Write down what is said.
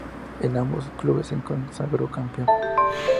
En ambos clubes se consagró campeón.